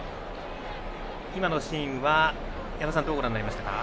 今のシーンは、矢野さんどうご覧になりましたか。